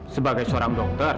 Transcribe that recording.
sebagai seorang dokter